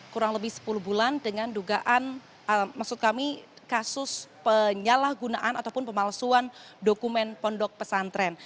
kurang lebih sepuluh bulan dengan dugaan maksud kami kasus penyalahgunaan ataupun pemalsuan dokumen pondok pesantren